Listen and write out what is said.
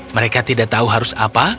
mereka tidak tahu harus apa